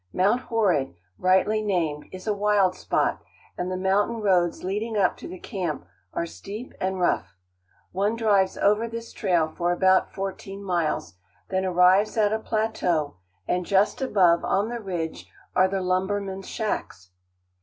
Mount Horrid, rightly named, is a wild spot, and the mountain roads leading up to the camp are steep and rough. One drives over this trail for about fourteen miles, then arrives at a plateau, and just above, on the ridge, are the lumbermen's shacks.